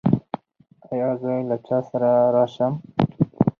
ایا زه له چا سره راشم؟